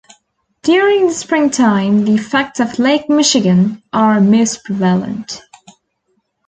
During the springtime, the effects of Lake Michigan are most prevalent.